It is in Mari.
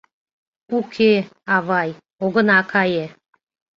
— Уке, авай, огына кае!